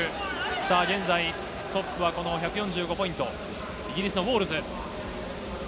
さあ、現在、トップはこの１４５ポイント、イギリスのウォールず。